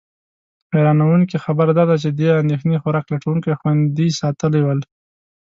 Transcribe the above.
حیرانونکې خبره دا ده چې دې اندېښنې خوراک لټونکي خوندي ساتلي ول.